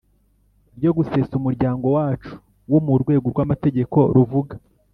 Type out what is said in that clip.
ryo gusesa umuryango wacu wo mu rwego rw amategeko ruvuga